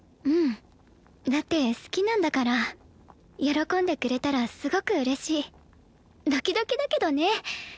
うんだって好きなんだから喜んでくれたらすごく嬉しいドキドキだけどね